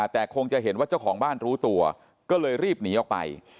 แต่คงจะเห็นว่าเจ้าของบ้านรู้ตัวก็เลยรีบหนีออกไป